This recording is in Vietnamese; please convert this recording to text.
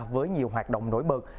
với nhiều hoạt động nổi bật